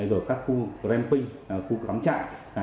rồi các khu gắn pinh khu cắm trải